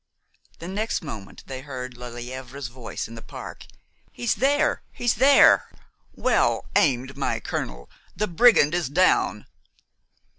The next moment they heard Lelièvre's voice in the park: "He's there! he's there! Well aimed, my colonel! the brigand is down!"